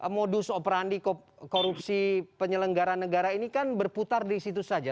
modus operandi korupsi penyelenggara negara ini kan berputar di situ saja